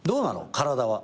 体は。